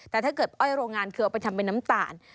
แต่ถ้าเกิดอ้อยโรงงานคือเอาไปทำเป็นน้ำตาล